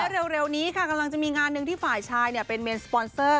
เร็วนี้ค่ะกำลังจะมีงานหนึ่งที่ฝ่ายชายเป็นเมนสปอนเซอร์